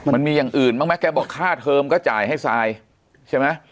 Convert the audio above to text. มันมีอย่างอื่นบ้างไหมแกบอกค่าเทอมก็จ่ายให้ซายใช่ไหม